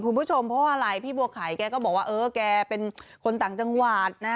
คุณผู้ชมเพราะว่าอะไรพี่บัวไข่แกก็บอกว่าเออแกเป็นคนต่างจังหวัดนะ